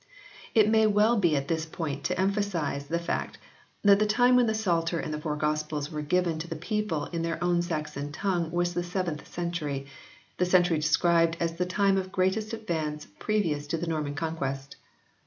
It may be well at this point to emphasise the fact that the time when the Psalter and the Four Gospels were given to the people in their own Saxon tongue was the 7th century the century described as the time of greatest advance previous to the Norman Conquest.